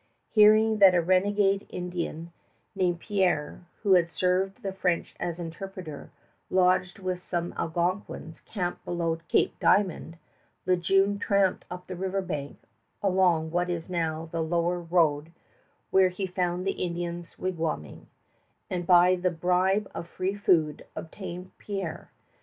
Hearing that a renegade Indian named Pierre, who had served the French as interpreter, lodged with some Algonquins camped below Cape Diamond, Le Jeune tramped up the river bank, along what is now the Lower Road, where he found the Indians wigwamming, and by the bribe of free food obtained Pierre.